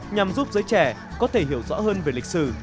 nhằm giúp giới trẻ có thể hiểu rõ hơn về lịch sử